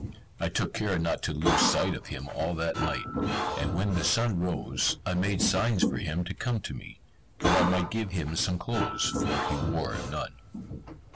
I took care not to lose sight of him all that night, and when the sun rose, I made signs for him to come to me, that I might give him some clothes, for he wore none.